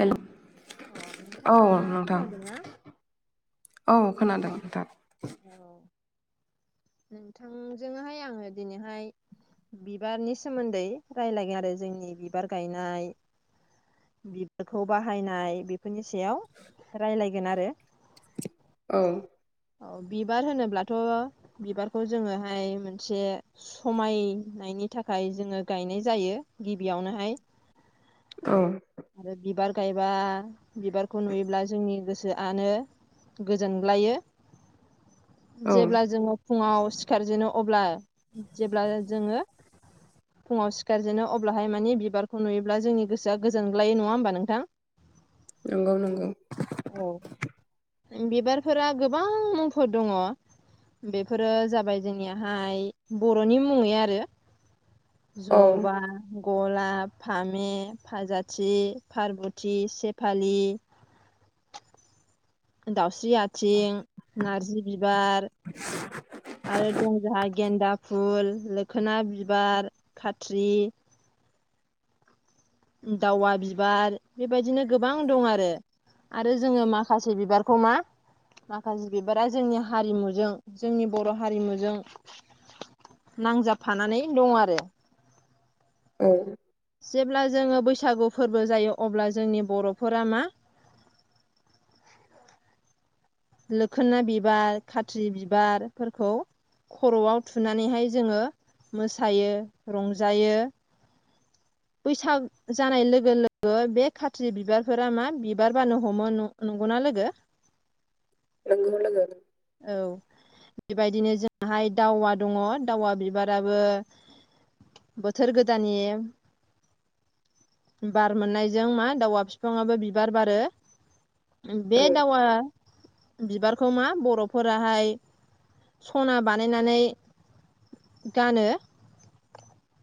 हेल' औ नोंथाङा नोंथां। खोनादोंना औ खोनादों नोंथां। [inaudible] बिबारनि सोमोन्दै रायलायगोन आरो जोंनि बिबार गायनाय। बिरफोरखौ बाहायनाय बेफोरनि सायाव राय्लायगोन आरो। औ। औ बिबार होनोब्लाथ' बिबारखौ जोङोहाय मोनसे समायनायनि थाखाय जोङो गायनाय जायो गिबियावनोहाय। औ। आरो बिबार गायबा, बिबारखौ नुयोब्ला जोंनि गोसोआनो गोजोनग्लायो। औ जेब्ला जोङो फुङाव सिखारजेनो अब्ला जेब्ला जोङो फुङाव सिखारजेनो अब्लाहाय माने बिबारखौ नुयोब्ला जोंनि गोसोआ गोजोनग्लायायो नङा होनोमबा नोंथां। नंगौ नंगौ। औ। बिबारफोरा गोबां मुंफोर दङ। बेफोरो जाबाय जोंनियाहाय बर'नि मुङै आरो। औ जबा, गलाप, फामे, फाजाथि, फार्बथि, सेफालि, दाउस्रि आथिं, नारजि बिबार, [unintelligible] आरो दं जोंहा गेन्दा फुल, मोखोना बिबार, खाथ्रि, दावा बिबार, बे बायदिनो गोबां दं आरो। आरो जोङो माखासे बिबारखौ मा माखासे बिबारा जोंनि हारिमुजों जोंनि बर' हारिमुजों नांजाबफानानै दं आरो। औ। जेब्ला जोङो बैसागु फोरबो जायो अब्ला जोंनि बर'फोरा मा मोखोना बिबार, खात्रि बिबारफोरखौ खर'आव थुनानैहाय जोङो मोसायो रंजायो। [inaudible] बैसागो जानाय लोगो लोगो बे खात्रि बिबारफोरा मा बिबार बानो हमो नंगौना लोगो? औ लोगो। औ। बे बायदिनो जोंहाय दावा दङ। दावा बिबाराबो बोथोर गोदाननि बार मोननायजों मा दावा बिफाङाबो बिबार बारो। बे औ दावा बिबारखौ मा बर'फोरा फोराहाय सना बानायनानै गानो।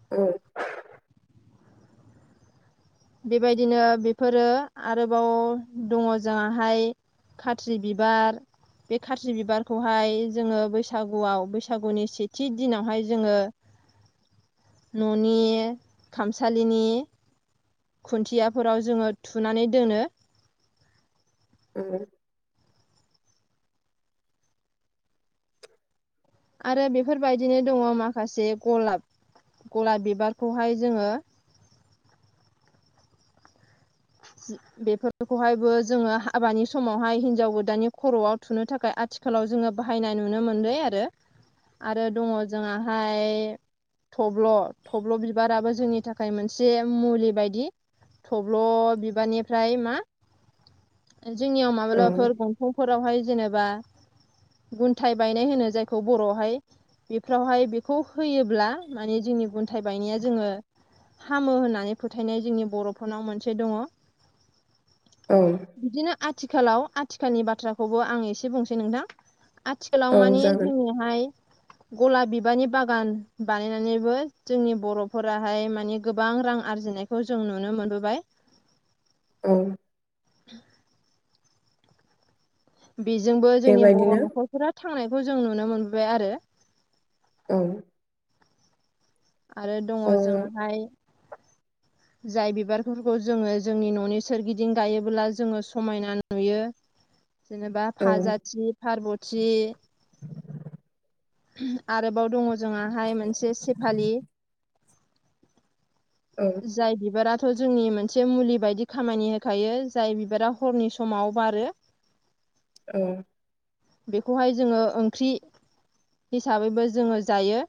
[inaudible] बे बायदिनो बेफोरो आरोबाव दङ जोंहाहाय खाथ्रि बिबार। बे खारजि बिबारखौहाय जोङो बैसागुआव बैसागुनि सेथि दिनावहाय जोङो न'नि खामसालिनि खुन्थियाफोराव जोङो थुनानै दोनो। [unintelligible] आरो बेफोरबायदिनो दङ माखासे गलाब। गलाब बिबारखौहाय जोङो [unintelligible] बेफोरखौहायबो जोङो हाबानि समावहाय हिनजाव गोदाननि खर'आव थुनो थाखाय आथिखाल आथिखालाव जोङो बाहायनाय नुनो मोनदों आरो। आरो दङ जोंहाय थब्ल' थब्ल' बिबाराबो जोंनि थाखाय थाखाय मोनसे मुलि बायदि थब्ल' बिबारनिफ्राय मा जोंनियाव औ माब्लाबाफोर दंफांफोरावहाय जेनेबा गुन्थायाइ बायनाय होनो जायखौ बर'आवहाय बेफ्रावहाय बेखौ होयोब्ला माने जोंनि गुन्थायाइ बायनाया जोङो हामो होननानै फोथायनाय जोंनि बर'फोरनाव मोनसे दङ। औ बिदिनो आथिखालाव आथिखालनि बाथ्राखौबो आं एसे बुंसै नोंथां। आथिखालाव औ मानि जागोन जोंनिहाय गलाब बिबारनि बागान बानायनानैबो जोंनि बर'फोराहाय माने गोबां रां आरजिनाय खौ जों नुनो मोनबोबाय। ओ [unintelligible] बेजोंबो जोंनि बर' बेबायदिनो न'खरफोरा थांनायखौ जों नुनो मोनबाय आरो। औ आरो दङ औ जोंहाय जाय बिबारफोरखौ जोङो जोंनि न'नि सोरगिदिं गायोबोब्ला जोङो समायना नुयो। जेनेबा औ फाजाथि, पारबथि आरोबाव दङ जोंआहाय मोनसे सेफालि औ जाय बिबाराथ' जोंनि मोनसे मुलि बायदि खामानि होखायो जाय बिबारा हरनि समाव बारो। औ बेखौहाय जोङो ओंख्रि हिसाबैबो जोङो जायो।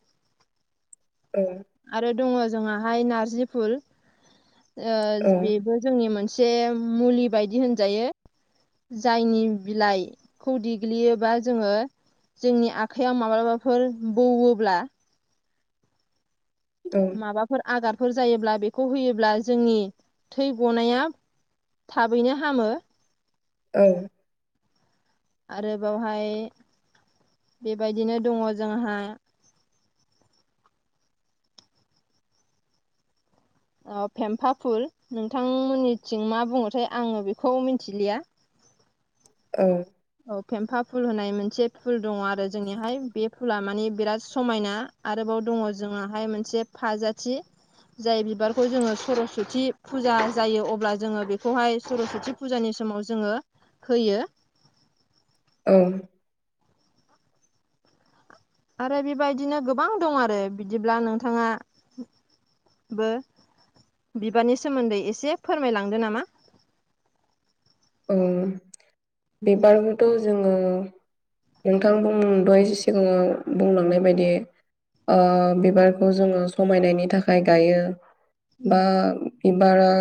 ओं आरो दङ जोंहाहाय नारजि फुल बेबो जोंनि मोनसे मुलि बायदि होनजायो जायनि बिलाइखौ दि गोग्लैयोबा जोङो जोंनि आखाइयाव माब्लाबाफोर बौब्ला माबाफोर आगारफोर जायोब्ला बेखौ होयोब्ला जोंनि थै गनाया थाबैनो हामो। ओं आरो बावहाय बेबायदिनो दङ जोंहा अ फेम्फापुल नोंथांमोननिथिं मा बुङोथाय आङो बेखौ मिन्थिलिया। ओं औ फेम्फा फुल होनाय मोनसे फुल दङ आरो जोंनिहाय बे फुला मानि बिराद समायना आरोबाव दङ जोंहाय मोनसे फाजाथि जाय बिबारखौ जोङो सरस्ति फुजा जायो अब्ला जोङो बेखौहाय सरसथि फुजानि समाव जोङो होयो। औ आरो बेबायदिनो गोबां दं आरो बिदिब्ला नोंथाङा बो बिबारनि सोमोन्दै एसे फोरमायलांदो नामा? औ बिबारखौथ' जोङो नोंथां बुं दहाय सिगाङाव बुंलांनाय बायदि ओ बिबारखौ जोङो समायनायनि थाखाय गायो। बा बिबारा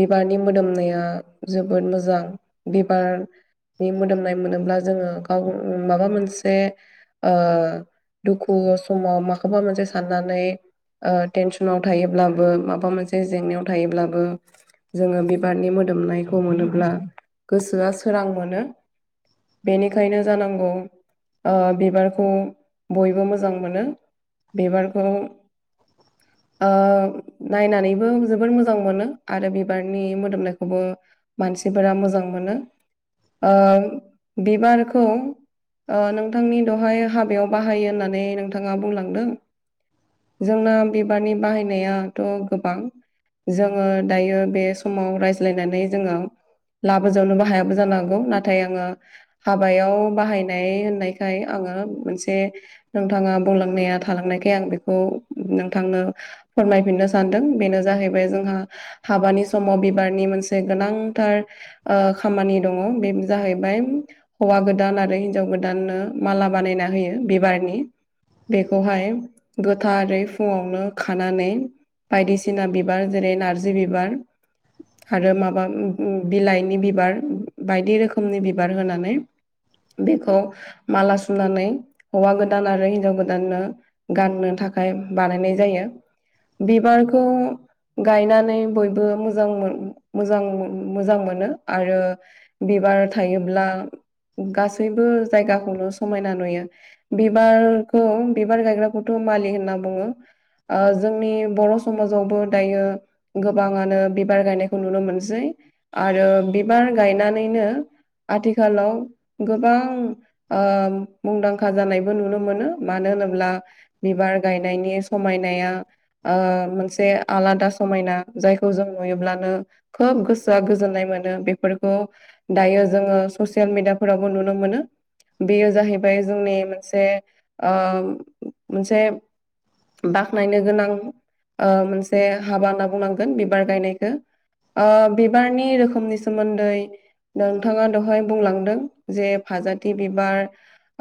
बिबारनि मोदोमनाया जोब जोबोद मोजां बिबार नि मोदोमनाय मोनोब्ला जोङो गाव माबा मोनसे दुखु समाव माखौबा मोनसे साननानै टेनसनाव थायोब्लाबो माबा मोनसे जेंनायाव थायोब्लाबो जोङो बिबारनि मोदोमनायखौ मोनोब्ला गोसोआ सोरां मोनो। बेनिखायनो जानांगौ ओ बिबारखौ बयबो मोजां मोनो। बिबारखौ [inaudible] ओ नायनानैबो जोबोर मोजां मोनो आरो बिबारनि मोदोमनायखौबो मानसिफोरा मोजां मोनो ओ बिबारखौ नोंथांनि दहाय हाबायाव बाहायो होननानै नोंथाङा बुंलांदों जोंना बिबारनि बाहायनायाथ' गोबां। जोङो दायो बे समाव रायज्लायनानै जोङो लाबोजावनोबो हायाबो जानो हांगौ नाथाय आङो हाबायाव बाहायनाय होननायखाय आङो मोनसे नोंथाङा बुंलांनाया थालांनायखाय आं बेखौ नोंथांनो फोरमायफिननो सानदों बेनो जाहैबाय जोंहा हाबानि समाव बिबारनि मोनसे गोनांथार खामानि दङ बे जाहैबाय हौवा गोदान आरो हिनजाव गोदाननो माला बानायना होयो बिबारनि बेखौहाय गोथारै फुङावनो खानानै बायदिसिना बिबार जेरै नारजि बिबार आरो माबा बिलाइनि बिबार बायदि रोखोमनि बिबार होनानै बेखौ माला सुमनानै हौवा गोदान आरो हिनजाव गोदाननो गाननो थाखाय बानायनाय जायो। बिबारखौ गायनानै बयबो मोजां मोनो। मोजां मोजां मोनो आरो बिबार थायोब्ला गासैबो जायगाखौनो समायना नुयो। बिबारखौ बिबार गायग्राखौथ' मालि होनना बुङो। जोंनि बर' समाजावबो दायो गोबाङानो बिबार गायनाय खौ नुनो मोनसै आरो बिबार गायनानैनो आथिखालाव ओ गोबां मुंदांखा जानायबो नुनो मोनो। मानो होनोब्ला बिबार गायनायनि समायनाया मोनसे आलादा समायना जायखौ जों नुयोब्लानो खोब गोसोआ गोजोननाय मोनो बेफोरखौ दायो जोङो ससियेल मिडियाफोरावबो नुनो मोनो। बेयो जाहैबाय जोंनि मोनसे ओ मोनसे बाख्नायनो गोनां मोनसे हाबा होनना बुंनांगोन बिबार गायनायखौ। ओ बिबारनि रोखोमनि सोमोन्दै नोंथाङा दहाय बुंलांदों जे फाजाथि बिबार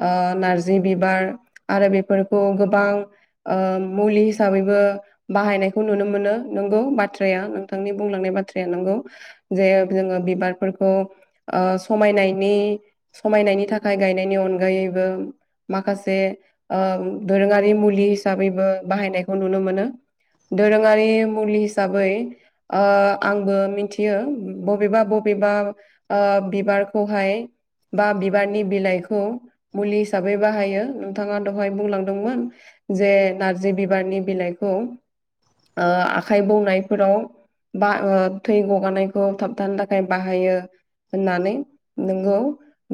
ओ नारजि बिबार आरो बेफोरखौ गोबां ओ मुलि हिसाबैबो बाहायनायखौ नुनो मोनो नोंगौ बाथ्राया नोंथांनि बुंलांनाय बाथ्राया नोंगौ जे जोङो बिबारफोरखौ समायनायनि समायनायनि थाखाय गायनायनि अनगायैबो माखासे ओ दोरोङारि मुलि हिसाबैबो बाहायनायखौ नुनो मोनो। दोरोङारि मुलि हिसाबै ओ। आंबो मिथियो बबेबा बबेबा ओ बिबारखौहाय बा बिबारनि बिलाइखौ मुलि हिसाबै बाहायो नोंथाङा दहाय बुंलांदोंमोन। जे नारजि बिबारनि बिलाइखौ। आखाइ बौनायफोराव बा। थै गगानायखौ थाबथानो थाखाय बाहायो होननानै नोंगौ।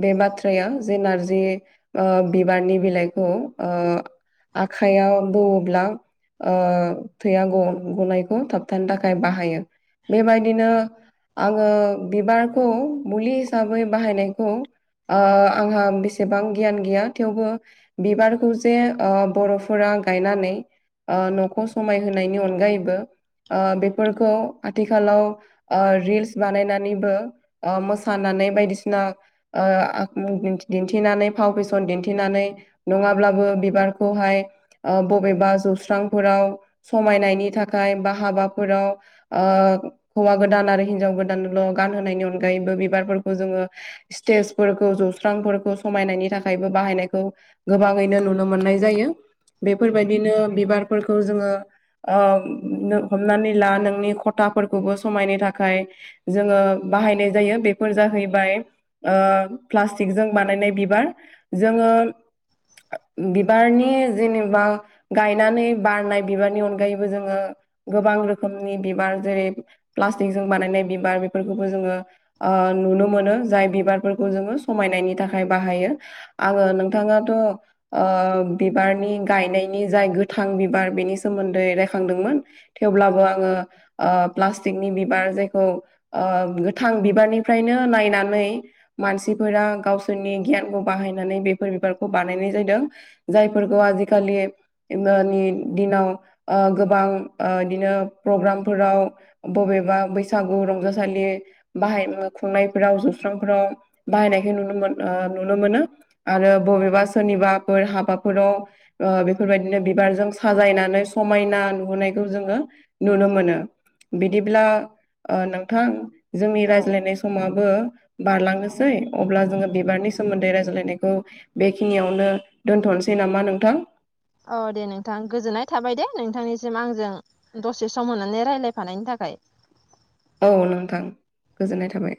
बे बाथ्राया जे नारजि बिबारनि बिलाइखौ। आखाइयाव दौवोब्ला। थैया गनायखौ थाबथानो थाखाय बाहायो बेबायदिनो। आङो बिबारखौ मुलि हिसाबै बाहायनायखौ। ओ आंहा बेसेबां गियान गैया थेवबो। बिबारखौ जे ओ बर'फोरा गायनानै। ओ न'खौ समायहोनायनि अनगायैबो ओ बेफोरखौ। आथिखालाव ओ रिल्स बानायनानैबो ओ मोसानानै बायदिसिना ओ दिन्थिनानै फाव फेसन दिन्थिनानै। नंङाब्लाबो बिबारखौहाय ओ बबेबा जौस्रांफोराव समायनायनि थाखाय बा हाबाफोराव ओ हौवा गोदान आरो हिनजाव गोदानल' गानहोनायनि अनगायैबो बिबारफोरखौ जोंङो स्टेजफोरखौ जौस्रांफोरखौ समायनायनि थाखायबो बाहायनायखौ गोबांङैनो नुनो मोननाय जायो। बेफोरबायदिनो बिबारफोरखौ जोंङो ओ नों हमनानै ला नोंनि। खथाफोरखौबो समायनो थाखाय जोंङो बाहायनाय जायो। बेफोर जाहैबाय ओ प्लास्टिकजों बानायनाय बिबार जोंङो बिबारनि जेनेबा गायनानै बारनाय बिबारनि अनगायैबो जोंङो गोबां रोखोमनि बिबार। जेरै प्लास्टिक जों बानायनाय बिबार बेफोरखौबो जोंङो। ओ नुनो मोनो जाय बिबारफोरखौ जोंङो समायनायनि थाखाय बाहायो। आंङो नोंथांङाथ' ओ बिबारनि गायनायनि जाय गोथां बिबार बेनि सोमोन्दै रायखांदोंमोन। थेवब्लाबो आंङो। ओ प्लास्टिकनि बिबार जायखौ ओ गोथां बिबारनिफ्रायनो नायनानै। मानसिफोरा गावसोरनि गियानखौ बाहायनानै बेफोर बिबारखौ बानायनाय जादों। जायफोरखौ आजिखालि। नि दिनाव ओ गोबां ओ इदिनो फ्रग्राम। फोराव बबेबा बैसागु रंजासालि बाहाय मु खुंनायफोराव जौस्रांफोराव बाहायनायखौ नुनो मोन ओ नुनो मोनो। आरो बबेबा सोरनिबाफोर हाबाफोराव। ओ बेफोरबायदिनो बिबारजों साजायनानै समायना नुहोनायखौ जोंङो नुनो मोनो। बिदिब्ला ओ नोंथां जोंनि औ रायज्लायनाय समाबो औ बारलांनोसै अब्ला औ जोंङो बिबारनि सो सोमोन्दै रायज्लायनायखौ बेखिनियावनो दोन्थ'नोसै नामा नोंथां? औ दे नोंथां गोजोननाय थाबाय दे नोंथांनिसिम आंजों। दसे सम मोननानै रायलायफानायनि थाखाय। औ नोंथां गोजोननाय थाबाय।